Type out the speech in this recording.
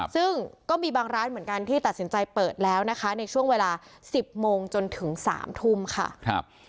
ซึ่งก็มีบางร้านเหมือนกันที่ตัดสินใจเปิดแล้วนะคะในช่วงเวลา๑๐โมงจนถึง๓ทุ่มค่ะ